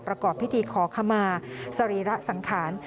ประกอบพิธีขอขมาสรีระสังขาร